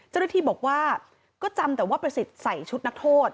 เจ้าหน้าที่บอกว่าก็จำแต่ว่าประสิทธิ์ใส่ชุดนักโทษ